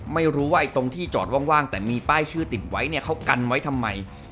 ไม่รู้ว่าไอ้ตรงที่จอดว่างแต่มีป้ายชื่อติดไว้เนี่ยเขากันไว้ทำไม